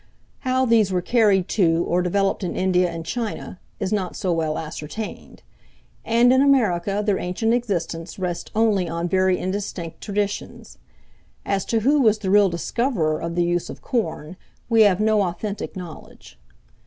How these were carried to or developed in India and China, is not so well ascertained; and in America their ancient existence rests only on very indistinct traditions. As to who was the real discoverer of the use of corn, we have no authentic knowledge.